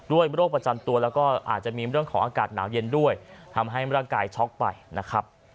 โรคประจำตัวแล้วก็อาจจะมีเรื่องของอากาศหนาวเย็นด้วยทำให้ร่างกายช็อกไปนะครับ